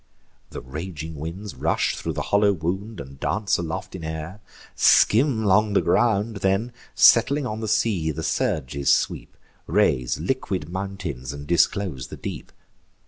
The raging winds rush thro' the hollow wound, And dance aloft in air, and skim along the ground; Then, settling on the sea, the surges sweep, Raise liquid mountains, and disclose the deep.